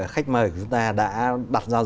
khách mời của chúng ta đã đặt ra